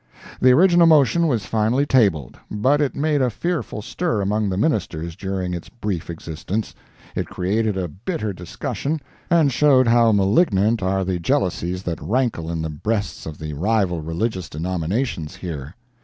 The original motion was finally tabled, but it made a fearful stir among the Ministers during its brief existence. It created a bitter discussion, and showed how malignant are the jealousies that rankle in the breasts of the rival religious denominations here.